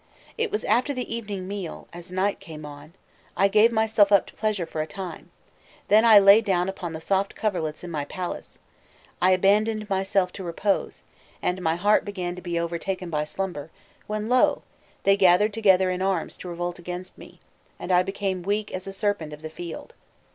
"It was after the evening meal, as night came on, I gave myself up to pleasure for a time, then I lay down upon the soft coverlets in my palace, I abandoned myself to repose, and my heart began to be overtaken by slumber; when, lo! they gathered together in arms to revolt against me, and I became weak as a serpent of the field.